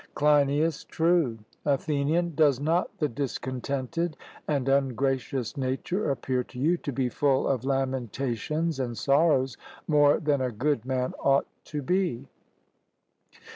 CLEINIAS: True. ATHENIAN: Does not the discontented and ungracious nature appear to you to be full of lamentations and sorrows more than a good man ought to be?